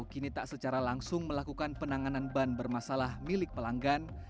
kini tak secara langsung melakukan penanganan ban bermasalah milik pelanggan